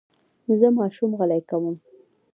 زه ماشوم غلی کوم.